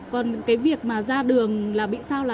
còn cái việc mà ra đường là bị sao